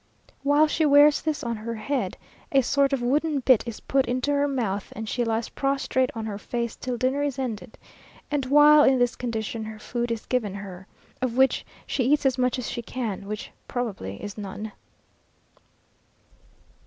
While she wears this on her head, a sort of wooden bit is put into her mouth, and she lies prostrate on her face till dinner is ended; and while in this condition her food is given her, of which she eats as much as she can, which probably is none.